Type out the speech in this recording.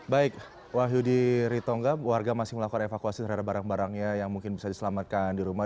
baik wahyudi ritongga warga masih melakukan evakuasi terhadap barang barangnya yang mungkin bisa diselamatkan di rumah